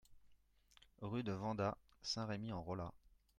Rue de Vendat, Saint-Rémy-en-Rollat